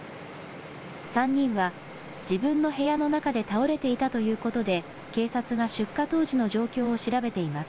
３人は自分の部屋の中で倒れていたということで、警察が出火当時の状況を調べています。